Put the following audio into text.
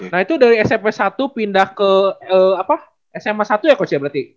nah itu dari smp satu pindah ke sma satu ya coach ya berarti